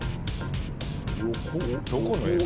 どこの映像？